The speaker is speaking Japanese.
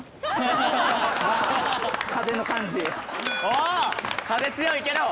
風強いけど。